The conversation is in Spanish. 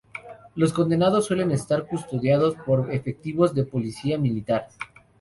Los condenados suelen estar custodiados por efectivos de la Policía militar.